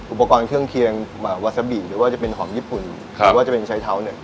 อุปกรณ์เครื่องเคียงวาซาบิหรือว่าจะเป็นหอมญี่ปุ่นหรือว่าจะเป็นใช้เท้าเนี่ย